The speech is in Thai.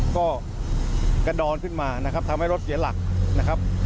ก็กระดอนขึ้นมานะครับทำให้รถเสียหลักนะครับ